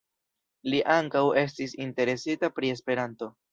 Li ankaŭ estis interesita pri Esperanto.